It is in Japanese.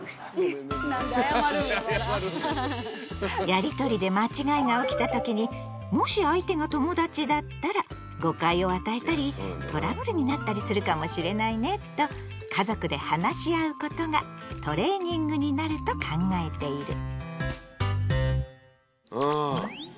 やりとりで間違いが起きた時に「もし相手が友達だったら誤解を与えたりトラブルになったりするかもしれないね」と家族で話し合うことがトレーニングになると考えている。